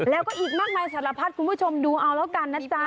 แล้วก็อีกมากมายทรภัฐนุ่มผู้ชมดูเอาละกันนะจ๊ะ